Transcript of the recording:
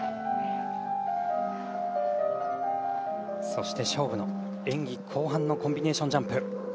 そして勝負の演技後半のコンビネーションジャンプ。